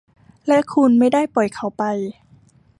และคุณไม่ได้ปล่อยเขาไป ?